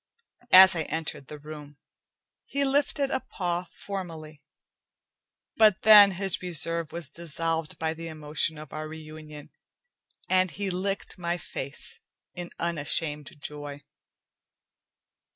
As I entered the room, he lifted a paw formally, but then his reserve was dissolved by the emotion of our reunion, and he licked my face in unashamed joy.